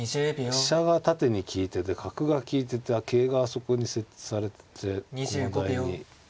飛車が縦に利いてて角が利いてて桂があそこに設置されてて駒台に種類があって。